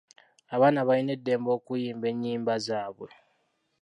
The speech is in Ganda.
Abaana balina eddembe okuyimba ennyimba zaabwe.